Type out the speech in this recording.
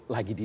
lagi di dunia